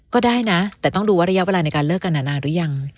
ก็ได้นะแต่ต้องดูว่าระยะเวลาในการเลิกกันนานหรือยัง